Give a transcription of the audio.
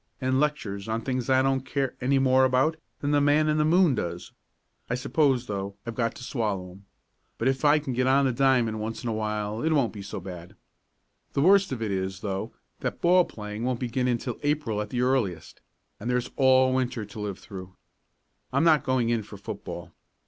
"And lectures on things I don't care any more about than the man in the moon does. I suppose, though, I've got to swallow 'em. But if I can get on the diamond once in a while it won't be so bad. The worst of it is, though, that ball playing won't begin until April at the earliest, and there's all winter to live through. I'm not going in for football.